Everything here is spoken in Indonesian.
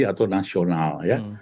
atau nasional ya